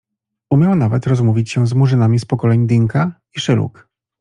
Umiał nawet rozmówić się z Murzynami z pokoleń Dinka i Szyluk.